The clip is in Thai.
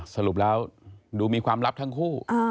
สรุปแล้วดูมีความลับทั้งคู่